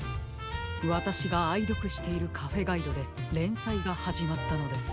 わたしがあいどくしているカフェガイドでれんさいがはじまったのです。